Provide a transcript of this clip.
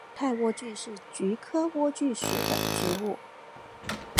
阿尔泰莴苣是菊科莴苣属的植物。